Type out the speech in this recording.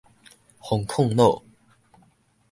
封炕滷